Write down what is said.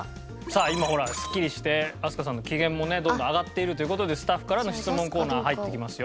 さあ今ほらスッキリして飛鳥さんの機嫌もねどんどん上がっているという事でスタッフからの質問コーナー入っていきますよ。